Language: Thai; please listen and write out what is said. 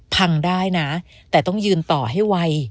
พังได้นะแต่ต้องยืนต่อให้ไว